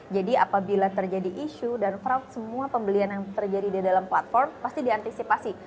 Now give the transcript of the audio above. jadi apabila terjadi isu dan fraud semua pembelian yang terjadi di dalam platform pasti diantisipasi